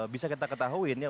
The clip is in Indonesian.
bisa kita ketahuin ya